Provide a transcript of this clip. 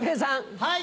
はい。